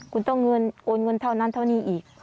คุณต้องเงินโอนเงินเท่านั้นเท่านี้อีก